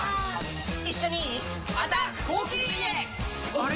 あれ？